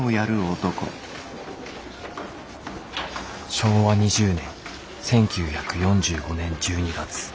昭和２０年１９４５年１２月。